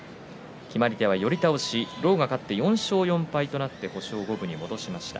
決まり手は寄り倒し狼雅、勝って４勝４敗星を五分に戻しました。